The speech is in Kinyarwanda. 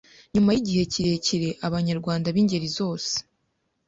Nyuma y’igihe kirekire Abanyarwanda b’ingeri zose